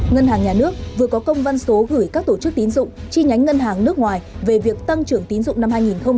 ngân hàng nhà nước vừa có công văn số gửi các tổ chức tín dụng chi nhánh ngân hàng nước ngoài về việc tăng trưởng tín dụng năm hai nghìn hai mươi